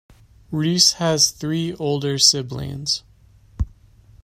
Reese has three older siblings.